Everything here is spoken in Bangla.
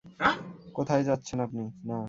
কোথায় যাচ্ছেন আপনি?